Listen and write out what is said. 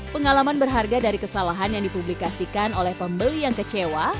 pengalaman berharga dari kesalahan yang dipublikasikan oleh pembeli yang kecewa